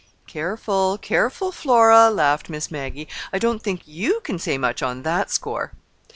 "Careful, careful, Flora!" laughed Miss Maggie. "I don't think you can say much on that score."